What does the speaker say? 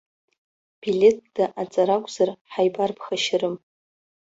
Билеҭда ацара акәзар, ҳаибарԥхашьарым?!